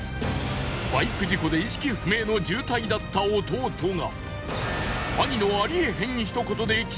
バイク事故で意識不明の重体だった弟が。